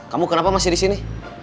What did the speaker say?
kamu kenapa masih disini